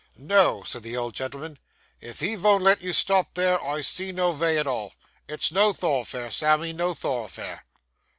'No,' said the old gentleman; 'if he von't let you stop there, I see no vay at all. It's no thoroughfare, Sammy, no thoroughfare.